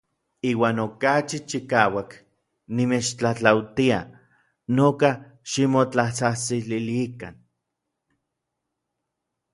Iuan okachi chikauak nimechtlatlautia noka ximotlatsajtsililikan.